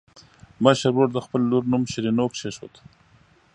مشر ورور د خپلې لور نوم شیرینو کېښود.